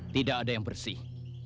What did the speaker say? tidak ada yang bersih